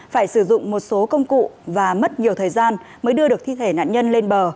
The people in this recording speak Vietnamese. phải sử dụng một số công cụ và mất nhiều thời gian mới đưa được thi thể nạn nhân lên bờ